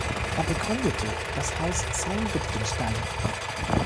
Er begründete das Haus Sayn-Wittgenstein.